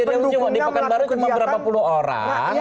yang dipakan baru cuma berapa puluh orang